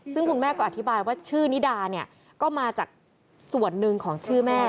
ซึ่งคุณแม่ก็อธิบายว่าชื่อนิดาเนี่ยก็มาจากส่วนหนึ่งของชื่อแม่